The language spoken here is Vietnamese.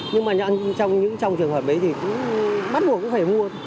nhưng mà trong những trường hợp mấy thì bắt buộc cũng phải mua